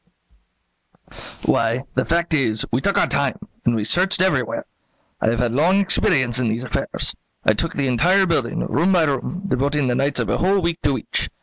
"Why, the fact is, we took our time, and we searched everywhere. I have had long experience in these affairs. I took the entire building, room by room; devoting the nights of a whole week to each.